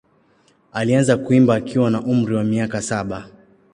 Alianza kuimba akiwa na umri wa miaka saba.